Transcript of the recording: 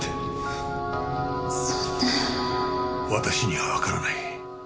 私にはわからない。